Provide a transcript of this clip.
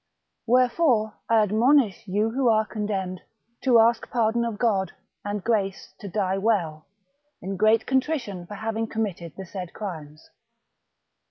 Wherefore I admonish you who are con demned, to ask pardon of God, and grace to die well, in great contrition for having committed the said crimes.